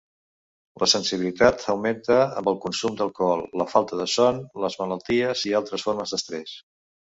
La sensibilitat augmenta amb el consum d'alcohol, la falta de son, les malalties i altres formes d'estrès.